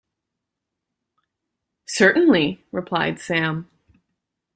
‘Certainly,’ replied Sam.